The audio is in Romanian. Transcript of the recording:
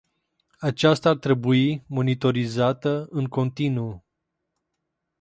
Aceasta ar trebui monitorizată în continuu.